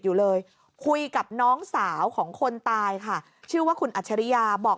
อยู่เลยคุยกับน้องสาวของคนตายค่ะชื่อว่าคุณอัจฉริยาบอก